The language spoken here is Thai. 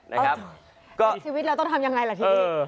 สิทธิวิตเราต้องทำอย่างไรล่ะทีนี้